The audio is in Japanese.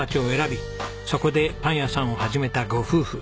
そこでパン屋さんを始めたご夫婦。